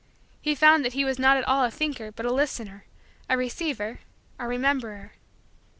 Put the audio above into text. He found that he was not at all a thinker but a listener a receiver a rememberer.